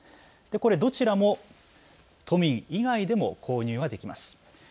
これ、どちらも都民以外でも購入はできます。